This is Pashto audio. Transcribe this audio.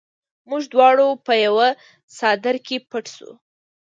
موږ دواړه په یوه څادر کې پټ شوو